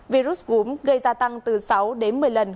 virus cúm gây gia tăng từ sáu đến một mươi lần